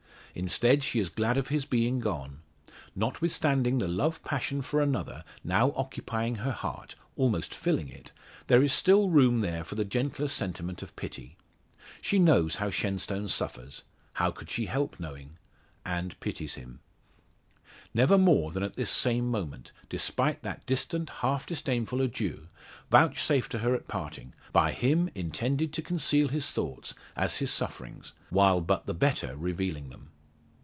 Instead, she is glad of his being gone. Notwithstanding the love passion for another now occupying her heart almost filling it there is still room there for the gentler sentiment of pity. She knows how Shenstone suffers how could she help knowing? and pities him. Never more than at this same moment, despite that distant, half disdainful adieu, vouchsafed to her at parting; by him intended to conceal his thoughts, as his sufferings, while but the better revealing them.